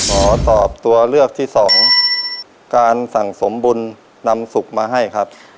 ขอตอบตัวเลือกที่สองการสั่งสมบุญนำสุขมาให้ครับ